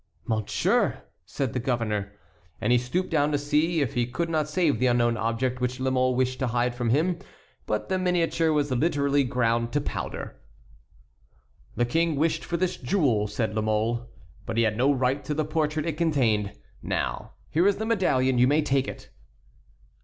"Monsieur!" said the governor. And he stooped down to see if he could not save the unknown object which La Mole wished to hide from him; but the miniature was literally ground to powder. "The King wished for this jewel," said La Mole, "but he had no right to the portrait it contained. Now, here is the medallion; you may take it."